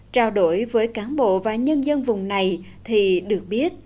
trao đổi với cán bộ và nhân dân vùng này thì được biết